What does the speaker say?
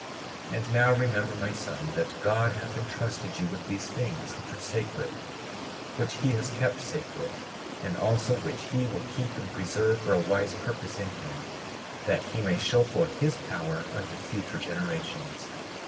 37:14 And now remember, my son, that God has entrusted you with these things, which are sacred, which he has kept sacred, and also which he will keep and preserve for a wise purpose in him, that he may show forth his power unto future generations.